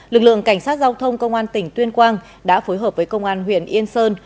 lực lượng cảnh sát giao thông công an tỉnh tuyên quang đã phối hợp với công an huyện yên sơn